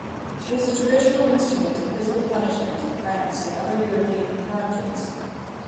It is a traditional instrument of physical punishment in France and other European countries.